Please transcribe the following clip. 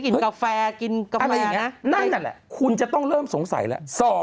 นั่นแหละคุณจะต้องเริ่มสงสัยล่ะ